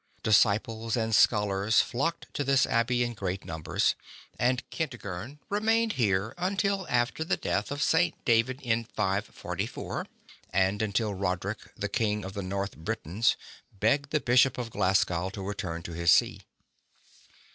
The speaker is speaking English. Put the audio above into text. Disciples and scholars flocked to this abbey in great numbers, and Kentigern remained here until after the death of St. David in 544, and until Roderick, the King of the North Britons, begged the Bishop of Glasgow to return to his see.